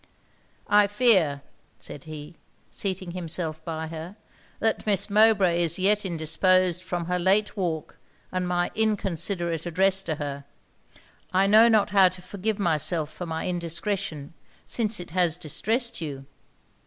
'I fear,' said he, seating himself by her, 'that Miss Mowbray is yet indisposed from her late walk and my inconsiderate address to her. I know not how to forgive myself for my indiscretion, since it has distressed you.'